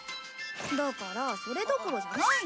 だからそれどころじゃないの！